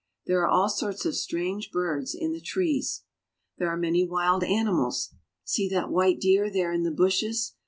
There are all sorts of strange birds in the trees. There are many wild animals. See that white deer there in the bushes.